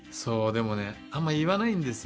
でもねあんまり言わないんですよね。